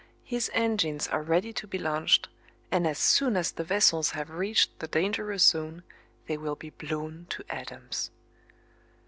His engines are ready to be launched, and as soon as the vessels have reached the dangerous zone they will be blown to atoms.